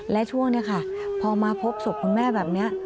และช่วงนี้ค่ะพอมาพบศพคุณแม่แบบนี้